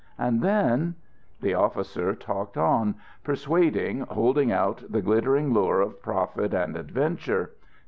And then ... The officer talked on, persuading, holding out the glittering lure of profit and adventure.